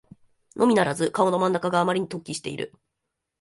のみならず顔の真ん中があまりに突起している